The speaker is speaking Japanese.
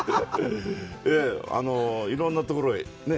いろんなところへね。